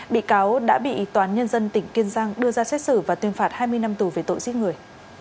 bị cáo đã bị toán nhân dân tỉnh kiên giang đưa ra xét xử và tuyên phạt hai mươi năm tù về tội giết người